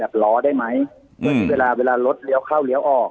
แบบล้อได้ไหมเพราะเวลารถเลี้ยวเข้าเลี้ยวออก